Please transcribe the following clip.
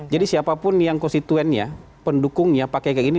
jadi siapapun yang konstituennya pendukungnya pakai kayak gini